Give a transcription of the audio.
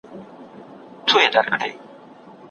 افغانان د شاه محمود د لارې په اوږدو کې سرتېري ودرول.